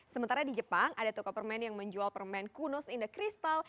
sementara di jepang ada toko permen yang menjual permen kunos indah kristal